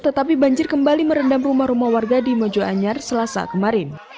tetapi banjir kembali merendam rumah rumah warga di mojoanyar selasa kemarin